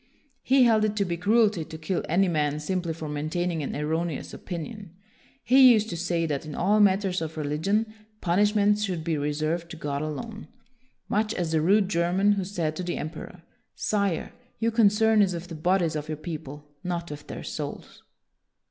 " He held it to be cruelty to kill any man simply for maintaining an er roneous opinion. He used to say that in all matters of religion, punishment should be reserved to God alone, much as the 1 84 WILLIAM THE SILENT rude German who said to the emperor, ' Sire, your concern is with the bodies of your people, not with their souls.'